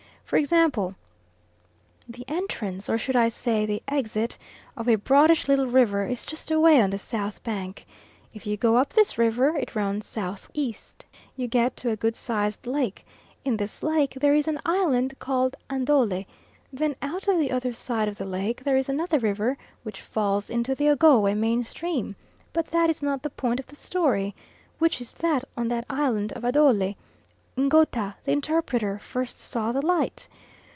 For example, the entrance or should I say the exit? of a broadish little river is just away on the south bank. If you go up this river it runs S.E. you get to a good sized lake; in this lake there is an island called Adole; then out of the other side of the lake there is another river which falls into the Ogowe main stream but that is not the point of the story, which is that on that island of Adole, Ngouta, the interpreter, first saw the light.